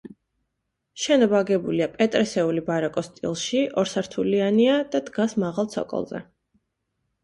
შენობა აგებულია პეტრესეული ბაროკოს სტილში, ორსართულიანია და დგას მაღალ ცოკოლზე.